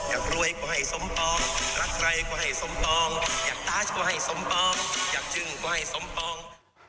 อยากรวยก็ให้สมตองรักใครก็ให้สมตองอยากตาชก็ให้สมปองอยากจึ้งก็ให้สมปอง